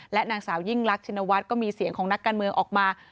นางสาวยิ่งลักชินวัฒน์ก็มีเสียงของนักการเมืองออกมา